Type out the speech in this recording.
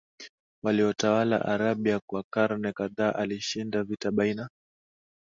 waliotawala Arabia kwa karne kadha alishinda vita baina